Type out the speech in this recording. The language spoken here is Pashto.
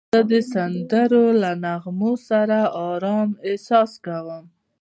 زه د سندرو له نغمو سره آرام احساس کوم.